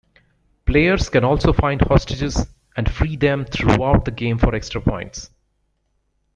Players can also find hostages and free them throughout the game for extra points.